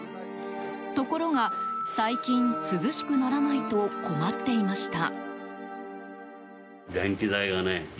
ところが最近、涼しくならないと困っていました。